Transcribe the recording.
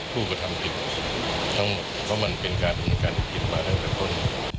ผู้ก็ทำผิดเพราะมันเป็นการดำเนินการผิดมาทั้งแต่คน